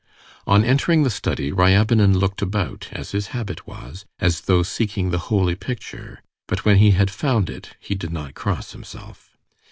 On entering the study Ryabinin looked about, as his habit was, as though seeking the holy picture, but when he had found it, he did not cross himself.